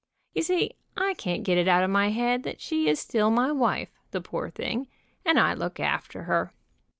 You see, I can't get it out of my head that she is still my wife, the poor thing, and I look after her.